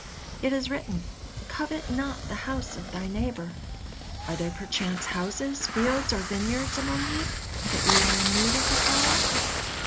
It is written: 'Covet not the house of thy neighbor.' Are there perchance houses, fields, or vineyards among ye, that ye are in need of the Torah?"